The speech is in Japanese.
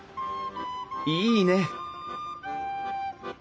いいね！